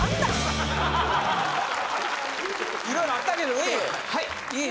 いろいろあったけどウィン。